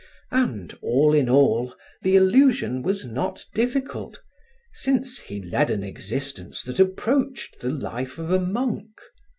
And, all in all, the illusion was not difficult, since he led an existence that approached the life of a monk.